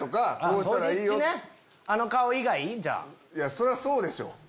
そりゃそうでしょ。